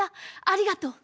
ありがとう。